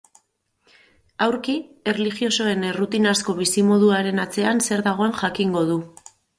Aurki, erlijiosoen errutinazko bizimoduaren atzean zer dagoen jakingo du.